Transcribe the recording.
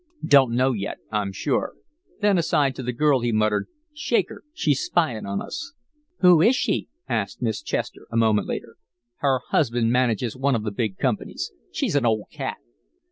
"Don't know yet, I'm sure." Then aside to the girl he muttered, "Shake her, she's spying on us." "Who is she?" asked Miss Chester, a moment later. "Her husband manages one of the big companies. She's an old cat."